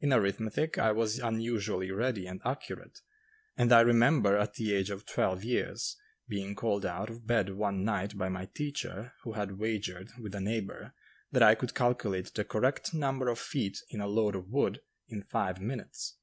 In arithmetic I was unusually ready and accurate, and I remember, at the age of twelve years, being called out of bed one night by my teacher who had wagered with a neighbor that I could calculate the correct number of feet in a load of wood in five minutes.